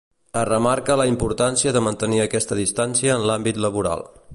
Es remarca la importància de mantenir aquesta distància en l’àmbit laboral.